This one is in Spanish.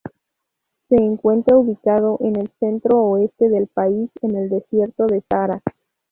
Se encuentra ubicado en el centro-oeste del país, en el desierto del Sahara.